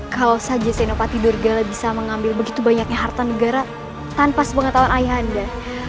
kalau saja senopati lurgala bisa mengambil begitu banyaknya harta negara tanpa sepengetahuan ayahanda